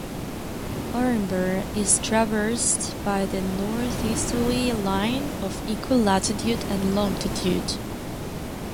Orenburg is traversed by the northeasterly line of equal latitude and longitude.